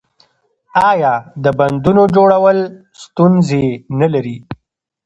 آیا د بندونو جوړول ستونزې نلري؟